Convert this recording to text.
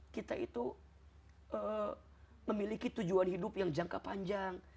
kita itu memiliki tujuan hidup yang jangka panjang